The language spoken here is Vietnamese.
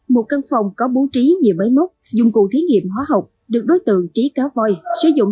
một căn phòng có bố trí nhiều máy móc dụng cụ thí nghiệm hóa học được đối tượng trí cá voi sử dụng